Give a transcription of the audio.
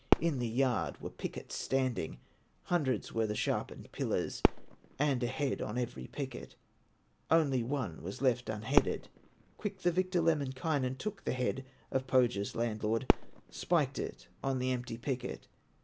In the yard were pickets standing, Hundreds were the sharpened pillars, And a head on every picket, Only one was left un headed. Quick the victor, Lemminkainen, Took the head of Pohya's landlord, Spiked it on the empty picket.